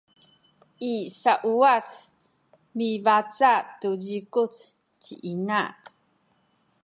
i sauwac mibaca’ tu zikuc ci ina